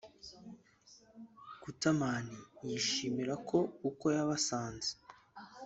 Gutterman yishimira ko uko yabasanze